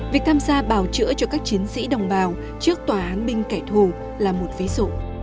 việc tham gia bào chữa cho các chiến sĩ đồng bào trước tòa án binh cải thù là một ví dụ